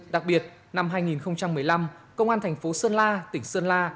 đặc biệt năm hai nghìn một mươi năm công an thành phố xuân la tỉnh xuân la